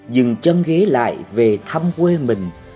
dừng chân ghế lại về thăm quê mình